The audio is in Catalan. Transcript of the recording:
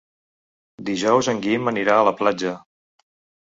Dijous en Guim anirà a la platja.